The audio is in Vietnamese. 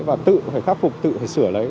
và tự phải khắc phục tự phải sửa lấy